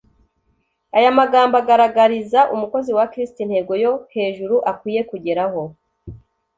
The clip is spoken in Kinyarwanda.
Aya magambo agaragariza Umukozi wa Kristo intego yo hejuru akwiye kugeraho.